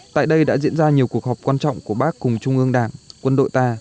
tại đây đã diễn ra nhiều cuộc họp quan trọng của bác cùng trung ương đảng quân đội ta